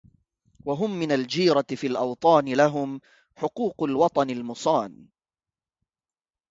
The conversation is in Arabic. وهم من الجيرة في الاوطان لهم حقوق الوطن المُصَانِ